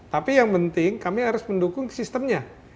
tapi yang penting kami harus mendukung sistemnya